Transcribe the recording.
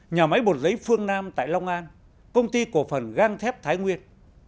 nhà máy bột giấy phương nam tại long an công ty cổ phần gang thép thái nguyên